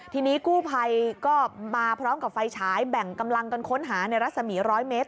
ทีนี้กู้ภัยก็มาพร้อมกับไฟฉายแบ่งกำลังกันค้นหาในรัศมี๑๐๐เมตร